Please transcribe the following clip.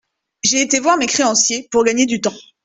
J’ai été voir mes créanciers, pour gagner du temps.